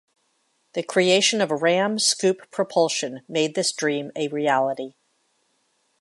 The creation of ram scoop propulsion made this dream a reality.